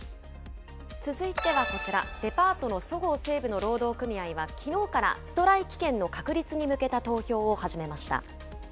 続いてはこちら、デパートのそごう・西武の労働組合はきのうからストライキ権の確立に向けた投票を始めました。